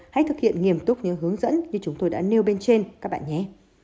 hãy thực hiện nghiêm túc những hướng dẫn như chúng tôi đã nêu bên trên các bạn nhé